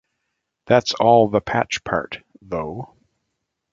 That's all the Patch part, though.